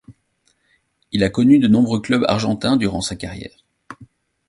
Il a connu de nombreux clubs argentins durant sa carrière.